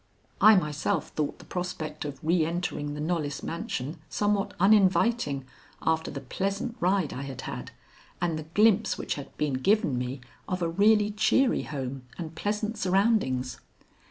I myself thought the prospect of re entering the Knollys mansion somewhat uninviting after the pleasant ride I had had and the glimpse which had been given me of a really cheery home and pleasant surroundings.